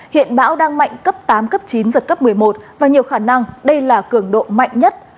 hiện bão đang mạnh cấp tám cấp chín giật cấp một mươi một và nhiều khả năng đây là cường độ mạnh nhất